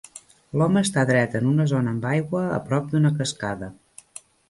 L'home està dret en una zona amb aigua a prop d'una cascada.